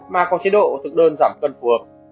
mà có chế độ thực đơn giảm cân phù hợp